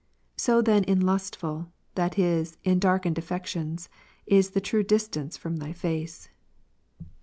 So then in lustful, that is, in darkened affections, is the true distance from Thy face, 29.